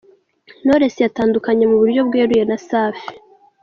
Knowless yatandukanye mu buryo bweruye na Safi.